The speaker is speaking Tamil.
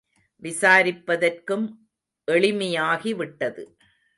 விசாரிப்பதற்கும் எளிமையாகி விட்டது.